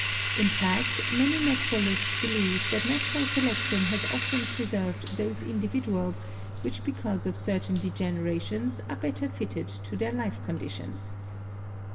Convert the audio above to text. In fact, many naturalists believe that natural selection has often preserved those individuals which because of certain de generations are better fitted to their life conditions.